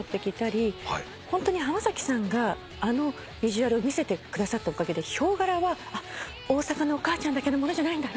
ホントに浜崎さんがあのビジュアルを見せてくださったおかげでヒョウ柄は大阪のお母ちゃんだけのものじゃないんだ。